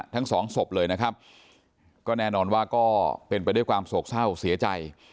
ทั้งสองศพเลยนะครับก็แน่นอนว่าก็เป็นไปด้วยความโศกเศร้าเสียใจ